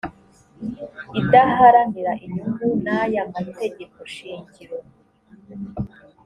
idaharanira inyungu n aya mategeko shingiro